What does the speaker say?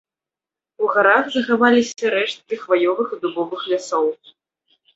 У гарах захаваліся рэшткі хваёвых і дубовых лясоў.